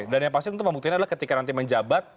dan yang pasti untuk membuktikan adalah ketika nanti menjabat